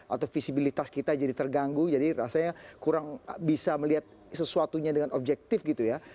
atau visibilitas kita jadi terganggu jadi rasanya kurang bisa melihat sesuatunya dengan objektif gitu ya